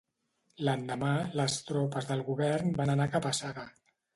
L'endemà, les tropes del govern van anar cap a Saga.